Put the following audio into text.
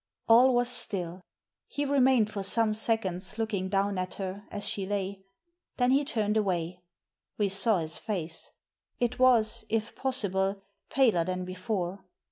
All was still. He remained for some seconds look ing down at her as she lay. Then he turned away. We saw his face. It was, if possible, paler than before.